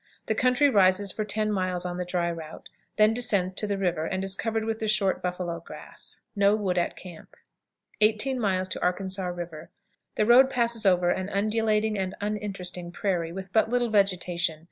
The country rises for ten miles on the dry route, then descends to the river, and is covered with the short buffalo grass. No wood at camp. 18. Arkansas River. The road passes over an undulating and uninteresting prairie, with but little vegetation.